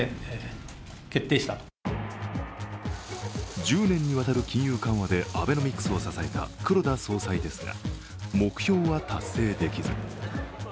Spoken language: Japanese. １０年にわたる金融緩和でアベノミクスを支えた黒田総裁ですが、目標は達成できず。